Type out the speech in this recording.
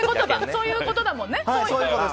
そういうことだもんね。